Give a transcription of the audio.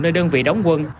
nơi đơn vị đóng quân